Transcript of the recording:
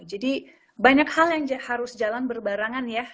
jadi banyak hal yang harus jalan berbarangan nih